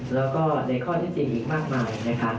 แล้วก็ในข้อที่จริงอีกมากมายนะคะ